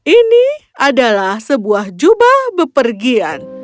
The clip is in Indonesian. ini adalah sebuah jubah bepergian